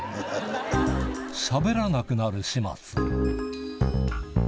しゃべらなくなる始末。